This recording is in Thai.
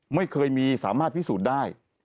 ไม่เคยมีสามารถพิสูจน์ได้